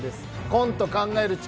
コント考える力。